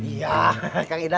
iya kang iden